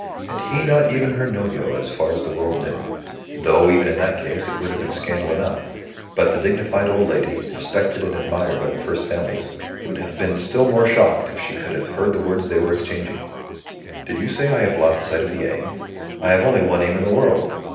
And he not even her novio as far as the world knew! Though, even in that case, it would have been scandal enough. But the dignified old lady, respected and admired by the first families, would have been still more shocked if she could have heard the words they were exchanging. "Did you say I lost sight of the aim? I have only one aim in the world."